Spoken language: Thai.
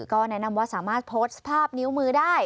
ก็แนะนำว่าสามารถโพสต์ภาพนิ้วมือได้